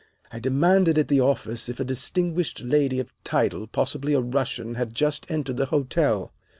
"I demanded at the office if a distinguished lady of title, possibly a Russian, had just entered the hotel.